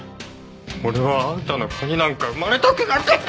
俺はあんたの子になんか生まれたくなかった！